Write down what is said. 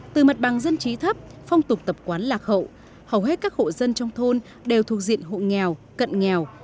từ mặt bằng dân trí thấp phong tục tập quán lạc hậu hầu hết các hộ dân trong thôn đều thuộc diện hộ nghèo cận nghèo